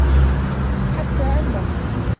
حَتَّى أَنَّهُ